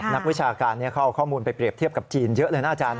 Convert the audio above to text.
นักวิชาการเขาเอาข้อมูลไปเรียบเทียบกับจีนเยอะเลยนะอาจารย์